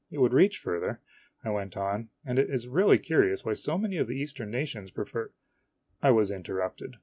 it would reach farther," I went on, "and it is really curious why so many of the Eastern na tions prefer I was interrupted.